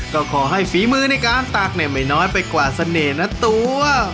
ก็ขอให้ฝีมือในการตักเนี่ยไม่น้อยไปกว่าเสน่ห์นะตัว